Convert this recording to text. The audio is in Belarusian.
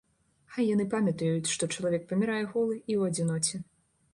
Хай яны памятаюць, што чалавек памірае голы і ў адзіноце.